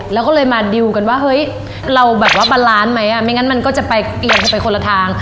แล้วก็เลยมาดิวกันว่าเฮ้ยเราแบบว่ามั้ยอ่ะไม่งั้นมันก็จะไปยังจะไปคนละทาง